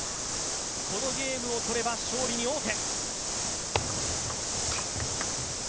このゲームを取れば勝利に王手。